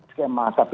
skema kpd apa